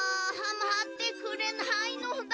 まってくれないのだ。